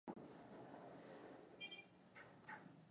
matembele yakipikwa hutumia mda mfupi